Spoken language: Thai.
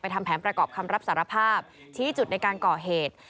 ทำแผนประกอบคำรับสารภาพชี้จุดในการก่อเหตุ